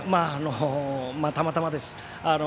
たまたまです。